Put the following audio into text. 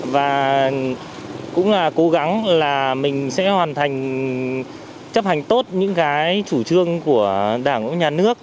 và cũng là cố gắng là mình sẽ hoàn thành chấp hành tốt những cái chủ trương của đảng nhà nước